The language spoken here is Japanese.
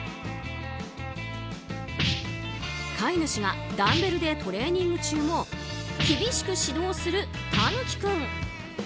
飼い主がダンベルでトレーニング中も厳しく指導する、たぬき君。